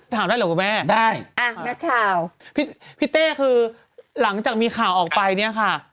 ถามได้หรอคุณแม่พี่เต้คือหลังจากมีข่าวออกไปเนี่ยค่ะ